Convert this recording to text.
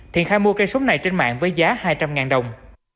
thiện khai mua cây súng này trên mạng với giá hai trăm linh đồng